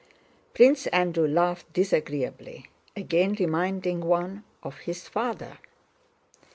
Prince Andrew laughed disagreeably, again reminding one of his father.